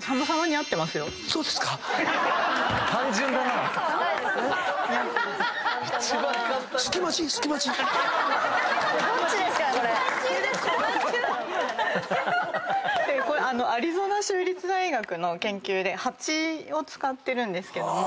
単純⁉アリゾナ州立大学の研究で蜂を使ってるんですけども。